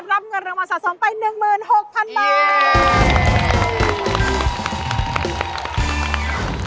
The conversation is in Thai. รับเงินเรื่องวัศสองไป๑๖๐๐๐บาท